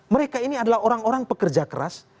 mereka ini adalah orang orang pekerja keras